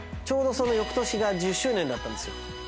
ちょうどその翌年が１０周年だったんですよ